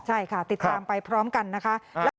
ใช่ค่ะติดตามไปพร้อมกันนะคะ